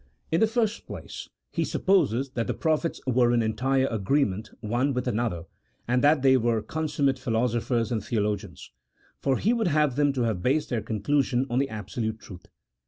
In the first place, he supposes that the prophets were in entire agreement one with another, and that they were consummate philosophers and theologians ; for he would have them to have based their conclusions on the absolute truth.